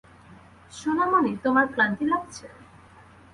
সোনামণি, তোমার ক্লান্তি লাগছে?